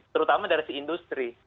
terutama dari industri